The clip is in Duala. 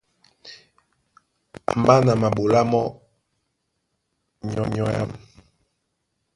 Mbá na maɓolá mɔ́ nyɔ̌ âm.